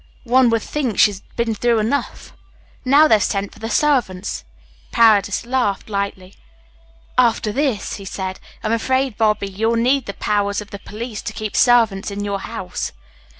One would think she'd been through enough. Now they've sent for the servants." Paredes laughed lightly. "After this," he said, "I'm afraid, Bobby, you'll need the powers of the police to keep servants in your house."